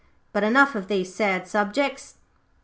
But enough of these sad subjects.